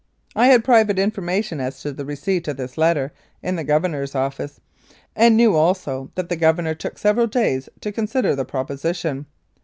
I had private information as to the receipt of this letter in the Governor's office, and knew also that the Governor took several days to consider the proposition.